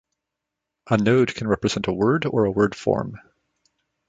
A node can represent a word or a word form.